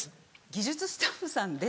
技術スタッフさんで。